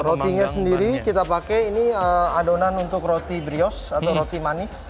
rotinya sendiri kita pakai ini adonan untuk roti brios atau roti manis